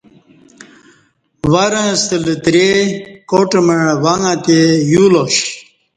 ورں ستہ لتری کاٹ مع وݣہ تے یو لا ش